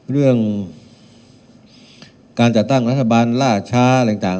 เรื่องการจะตั้งรัฐบาลราชาอะไรอย่างจัง